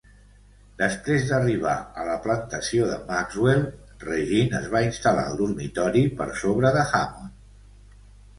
Després d'arribar a la plantació de Maxwell, Regine es va instal·lar al dormitori per sobre de Hammond.